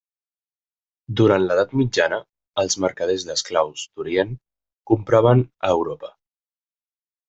Durant l'Edat Mitjana els mercaders d'esclaus d'Orient compraven a Europa.